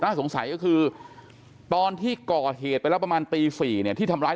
สงสัยก็คือตอนที่ก่อเหตุไปแล้วประมาณตี๔เนี่ยที่ทำร้าย